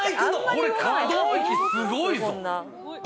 これ可動域、すごいぞ。